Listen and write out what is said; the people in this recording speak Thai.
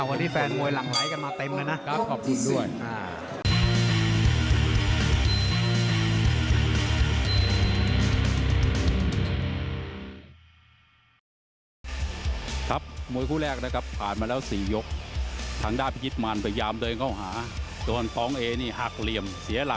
วันนี้แฟนมวยหลักหลายกันมาเต็มเลยนะ